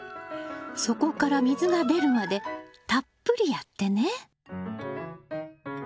底から水が出るまでたっぷりやってね。